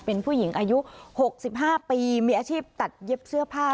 เป็นผู้หญิงอายุ๖๕ปีมีอาชีพตัดเย็บเสื้อผ้า